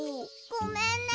ごめんね。